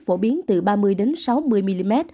phổ biến từ ba mươi sáu mươi mm